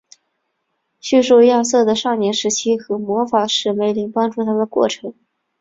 叙述亚瑟的少年时期和魔法师梅林帮助他的过程。